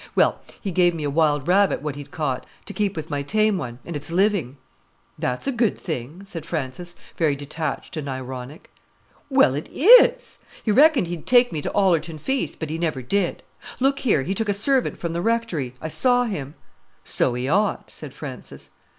"Well, he gave me a wild rabbit what he'd caught, to keep with my tame one—and it's living." "That's a good thing," said Frances, very detached and ironic. "Well, it is! He reckoned he'd take me to Ollerton Feast, but he never did. Look here, he took a servant from the rectory; I saw him." "So he ought," said Frances.